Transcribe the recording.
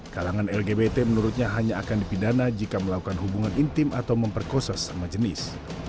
kalangan lgbt menurutnya hanya akan dipidana jika melakukan hubungan intim atau memperkosa sesama jenis